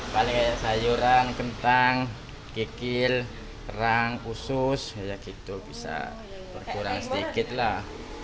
kalau kayak sayuran kentang kekil terang usus ya gitu bisa berkurang sedikit lah